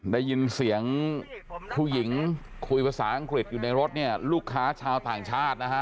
ได้ยินเสียงผู้หญิงคุยภาษาอังกฤษอยู่ในรถเนี่ยลูกค้าชาวต่างชาตินะฮะ